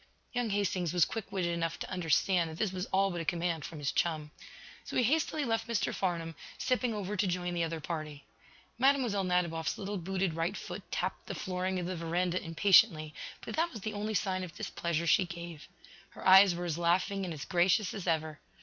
Young Hastings was quick witted enough to understand that this was all but a command from his chum. So he hastily left Mr. Farnum, stepping over to join the other party. Mlle. Nadiboff's little booted right foot tapped the flooring of the veranda impatiently, but that was the only sign of displeasure she gave. Her eyes were as laughing and as gracious as ever.